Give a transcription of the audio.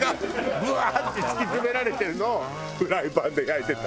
ブワーッて敷き詰められてるのをフライパンで焼いてた。